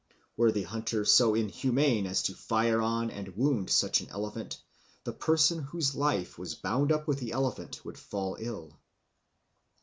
Were the hunter so inhuman as to fire on and wound such an elephant, the person whose life was bound up with the elephant would fall ill.